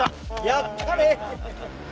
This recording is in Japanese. やったね。